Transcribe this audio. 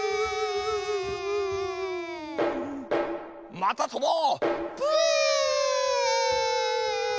またとぼう！